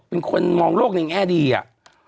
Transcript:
เป็นคนมองโลกในแง่ดีอะ